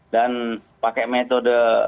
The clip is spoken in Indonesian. dan pakai metode